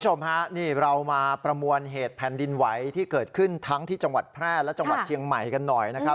คุณผู้ชมฮะนี่เรามาประมวลเหตุแผ่นดินไหวที่เกิดขึ้นทั้งที่จังหวัดแพร่และจังหวัดเชียงใหม่กันหน่อยนะครับ